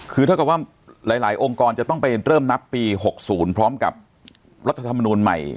คือเท่ากับว่าหลายองค์กรจะต้องไปเริ่มนับปี๖๐พร้อมกับรัฐธรรมนูลใหม่